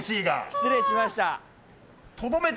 失礼しました。